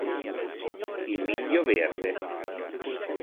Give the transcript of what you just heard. Il miglio verde